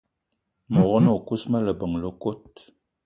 Me wog-na o kousma leben le kot